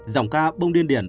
dòng ca bông điên điển